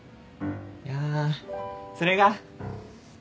いやそれが。